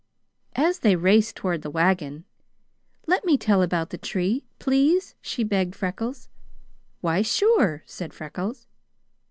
As they raced toward the wagon "Let me tell about the tree, please?" she begged Freckles. "Why, sure!" said Freckles.